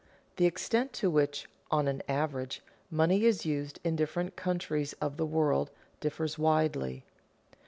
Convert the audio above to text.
_The extent to which, on an average, money is used in different countries of the world, differs widely.